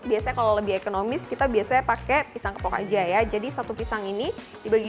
biasanya kalau lebih ekonomis kita biasanya pakai pisang kepok aja ya jadi satu pisang ini dibagi